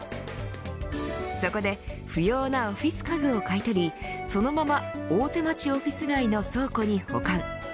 そこで不要なオフィス家具を買い取りそのまま大手町オフィス街の倉庫に保管。